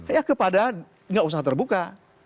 ya kepadaan nggak usah terbuka